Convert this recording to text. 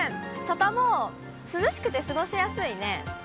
サタボー、涼しくて過ごしやすいね。